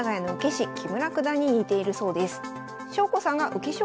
師木村九段に似ているそうです。